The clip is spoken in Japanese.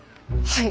はい。